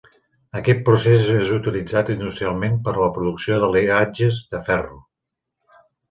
Aquest procés és utilitzat industrialment per a la producció d'aliatges de ferro.